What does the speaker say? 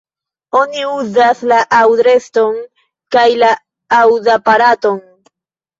Oni uzas la aŭdreston kaj la aŭdaparaton.